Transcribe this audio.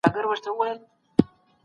څېړونکي به نوې تګلارې رامنځته کړي.